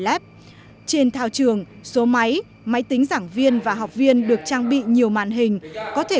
lép trên thao trường số máy máy tính giảng viên và học viên được trang bị nhiều màn hình có thể